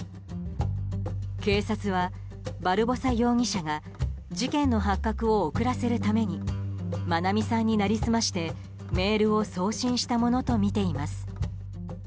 警察はバルボサ容疑者が事件の発覚を遅らせるために愛美さんに成り済ましてメールを送信したものとみています。